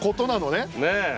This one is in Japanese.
ねえ。